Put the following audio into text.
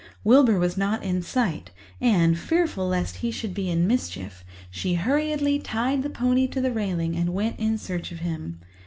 Wilbur was not in sight and, fearful lest he should be in mischief, she hurriedly tied the pony to the railing and went in search of him.